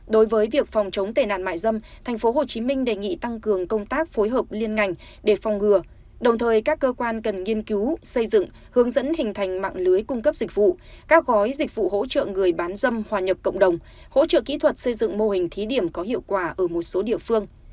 đối với việc phòng chống tệ nạn mại dâm tp hcm đề nghị tăng cường công tác phối hợp liên ngành để phòng ngừa đồng thời các cơ quan cần nghiên cứu xây dựng hướng dẫn hình thành mạng lưới cung cấp dịch vụ các gói dịch vụ hỗ trợ người bán dâm hòa nhập cộng đồng hỗ trợ kỹ thuật xây dựng mô hình thí điểm có hiệu quả ở một số địa phương